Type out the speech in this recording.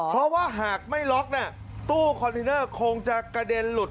เพราะว่าหากไม่ล็อกตู้คอนเทนเนอร์คงจะกระเด็นหลุด